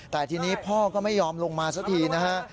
แต่ทีนี้พ่อก็ไม่ยอมลงมาสักทีนะฮะ